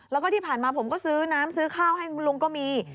แล้วก็ที่ผ่านมาผมก็ซื้อน้ำซื้อข้าวให้คุณลุงก็มี